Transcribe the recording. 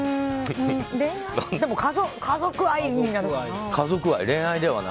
でも家族愛になるかな。